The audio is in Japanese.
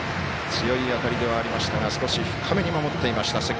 強い当たりではありましたが少し深めに守っていました。